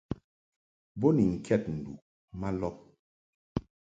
Bo ni ŋkɛd nduʼ ma lɔb.